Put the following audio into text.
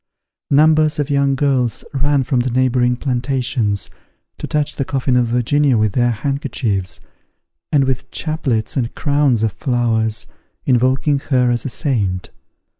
Numbers of young girls ran from the neighbouring plantations, to touch the coffin of Virginia with their handkerchiefs, and with chaplets and crowns of flowers, invoking her as a saint.